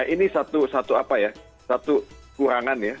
ini satu kurangan ya